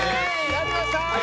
やりました！